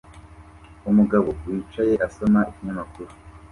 Umugabo wicaye asoma ikinyamakuru